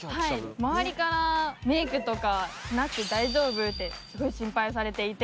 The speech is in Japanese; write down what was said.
周りからメイクとかしなくて大丈夫？ってすごい心配されていて。